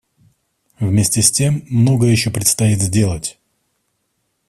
Вместе с тем многое еще предстоит сделать.